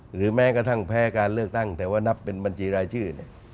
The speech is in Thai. หรือแม้กระทั่งแพ้การเลือกตั้งแต่ว่านับเป็นบัญชีรายชื่อ